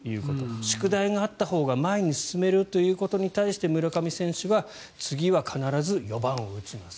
宿題があったほうが前に進めるよということに対して村上選手が次は必ず４番を打ちます。